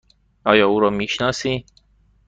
آیا او را می شناسی؟